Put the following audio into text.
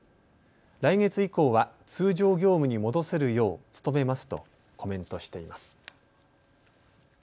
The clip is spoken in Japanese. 来月以降は通常業務に戻せるよう努めますとコメントしています。